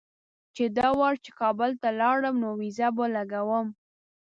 چې دا وار چې کابل ته لاړم نو ویزه به لګوم.